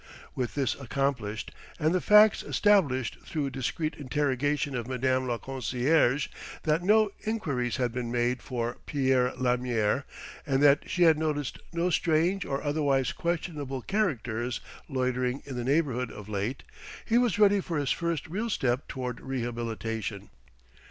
With this accomplished and the facts established through discreet interrogation of madame la concierge that no enquiries had been made for "Pierre Lamier," and that she had noticed no strange or otherwise questionable characters loitering in the neighbourhood of late he was ready for his first real step toward rehabilitation....